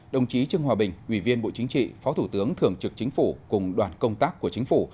đồng chí trương hòa bình ủy viên bộ chính trị phó thủ tướng thường trực chính phủ cùng đoàn công tác của chính phủ